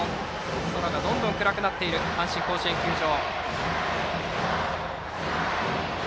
空がどんどん暗くなっている阪神甲子園球場。